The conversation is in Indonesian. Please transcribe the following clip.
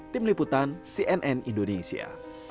tim liputan cnn indonesia